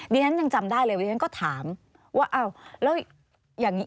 เดี๋ยวนั้นยังจำได้เลยเดี๋ยวนั้นก็ถามว่าอ้าวแล้วอย่างนี้